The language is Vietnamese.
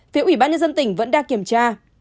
vì ubnd vẫn đang kiểm tra